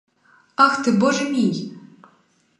Ах ти, боже мій!